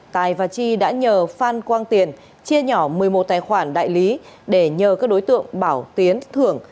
tài và chi đã nhờ phan quang tiền chia nhỏ một mươi một tài khoản đại lý để nhờ các đối tượng bảo tiến thưởng